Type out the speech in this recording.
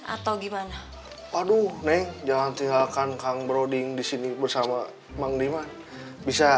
atau gimana paduh neng jangan tinggalkan kang brody disini bersama mang diman bisa